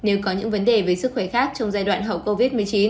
nếu có những vấn đề về sức khỏe khác trong giai đoạn hậu covid một mươi chín